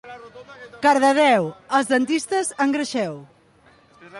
Cardedeu, els dentistes engreixeu.